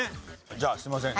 じゃあすいません。